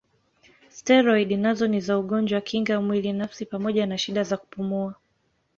Steroidi nazo ni za ugonjwa kinga mwili nafsi pamoja na shida za kupumua.